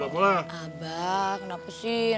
abah kenapa sih